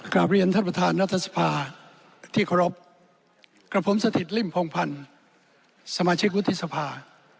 กลับเรียนท่านประธานรัฐสภาที่เคารพกับผมสถิตริมพงพันธ์สมาชิกวุฒิสภา